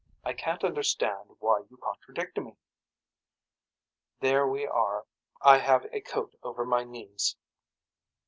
I can't understand why you contradict me. There we are I have a coat over my knees.